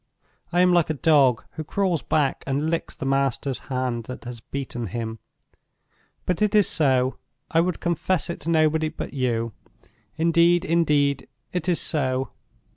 I am like a dog who crawls back and licks the master's hand that has beaten him. But it is so—I would confess it to nobody but you—indeed, indeed it is so.